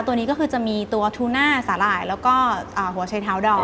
ตัวนี้ก็คือจะมีตัวทูน่าสาหร่ายแล้วก็หัวชัยเท้าดอ